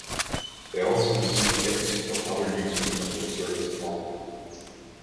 They also receive tips from other users of their service online.